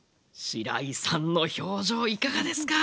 しらいさんの表情いかがですか？